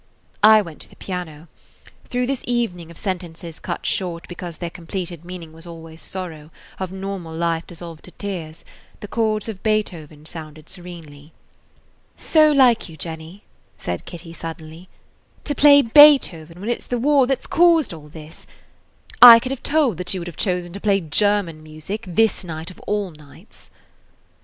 I went to the piano. Through this evening of sentences cut short because their completed meaning was always sorrow, of normal life dissolved to tears, the chords of Beethoven sounded serenely. "So you like Jenny," said Kitty, suddenly, "to play Beethoven when it 's the war that 's caused all this. I could have told that you would have chosen to play German music this night of all nights."